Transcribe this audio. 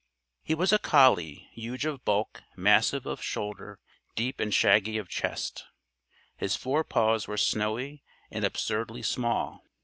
He was a collie, huge of bulk, massive of shoulder, deep and shaggy of chest. His forepaws were snowy and absurdly small.